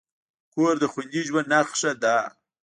کور د خوندي ژوند نښه ده.